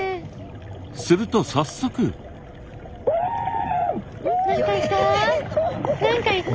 すると早速。何かいた？